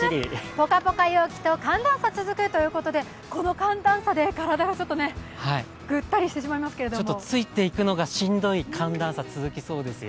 ぽかぽか陽気と寒暖差続くということでこの寒暖差で体がぐったりしてしまいますけどついていくのがしんどい寒暖差続きそうですよ。